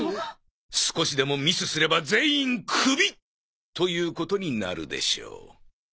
少しでもミスすれば全員クビ！ということになるでしょう。